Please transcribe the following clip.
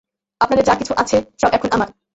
আপনাদের যা কিছু আছে সব এখন আমার।